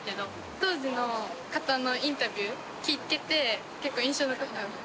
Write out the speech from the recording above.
当時の方のインタビューを聞けて結構、印象に残ってます。